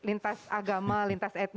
itu lintas agama itu lintas kemampuan